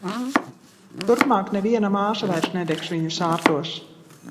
Turpmāk neviena māsa vairs nedegs viņu sārtos!